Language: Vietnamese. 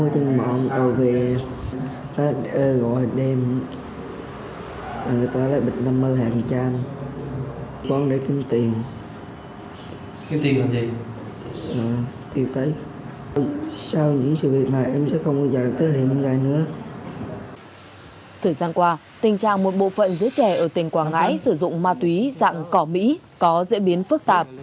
thời gian qua tình trạng một bộ phận giữa trẻ ở tỉnh quảng ngãi sử dụng ma túy dạng cỏ mỹ có diễn biến phức tạp